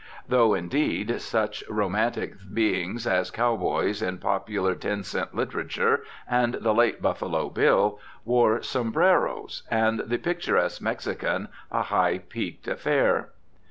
Though, indeed, such romantic beings as cowboys in popular ten cent literature and the late Buffalo Bill wore sombreros, and the picturesque Mexican a high peaked affair.